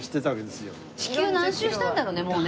地球何周したんだろうねもうね。